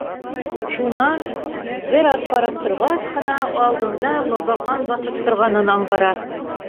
Шунан, бер аҙ ҡарап торғас ҡына, алдында Лабаҡан баҫып торғанын аңғара.